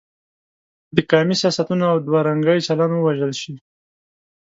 انتقامي سیاستونه او دوه رنګی چلن ووژل شي.